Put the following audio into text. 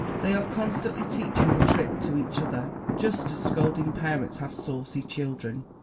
They are constantly teaching the trick to each other, just as scolding parents have saucy children.